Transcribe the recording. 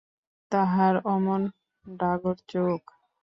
তাহার অমন ডাগর চোখ!